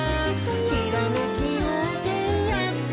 「ひらめきようせいやってくる」